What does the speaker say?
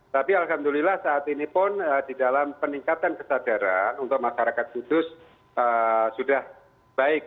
tapi alhamdulillah saat ini pun di dalam peningkatan kesadaran untuk masyarakat kudus sudah baik